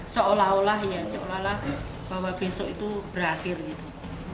seolah olah ya seolah olah bahwa besok itu berakhir gitu